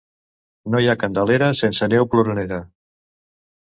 No hi ha Candelera sense neu ploranera.